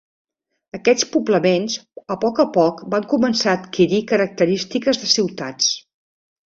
Aquests poblaments a poc a poc van començar a adquirir característiques de ciutats.